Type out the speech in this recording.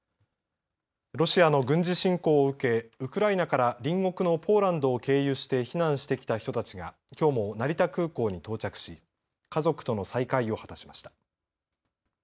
ロシアの軍事侵攻を受け、ウクライナから隣国のポーランドを経由して避難してきた人たちが、きょうも成田空港に到着し、家族との再会を果たしました。